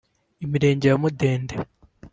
imirenge ya Mudende